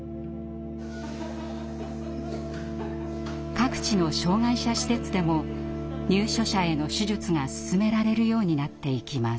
各地の障害者施設でも入所者への手術が勧められるようになっていきます。